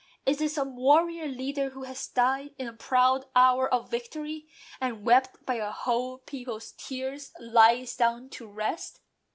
Is it some warrior leader, who has died In the proud hour of victory; and, wept By a whole people's tears, lies down to rest?